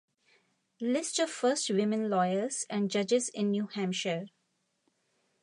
List of first women lawyers and judges in New Hampshire